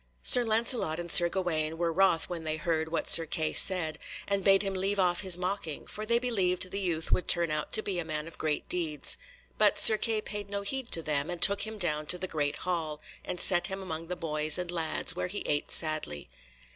Sir Lancelot and Sir Gawaine were wroth when they heard what Sir Kay said, and bade him leave off his mocking, for they believed the youth would turn out to be a man of great deeds; but Sir Kay paid no heed to them, and took him down to the great hall, and set him among the boys and lads, where he ate sadly.